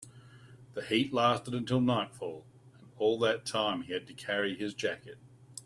The heat lasted until nightfall, and all that time he had to carry his jacket.